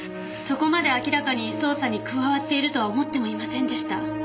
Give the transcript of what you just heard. そこまで明らかに捜査に加わっているとは思ってもいませんでした。